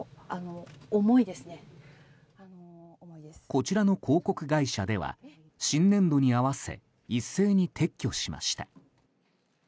こちらの広告会社では新年度に合わせ一斉に撤去しました。